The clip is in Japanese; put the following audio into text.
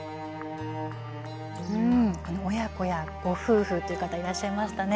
親子やご夫婦という方いらっしゃいましたね。